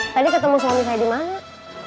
tadi ketemu suami saya di mana